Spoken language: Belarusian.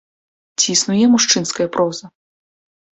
Ці існуе мужчынская проза?